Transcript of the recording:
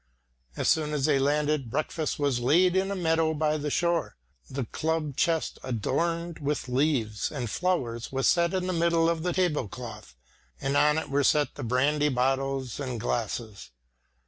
As soon as they landed, breakfast was laid in a meadow by the shore. The club chest adorned with leaves and flowers was set in the middle of the table cloth, and on it were set the brandy bottles and glasses.